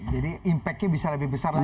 jadi impactnya bisa lebih besar lagi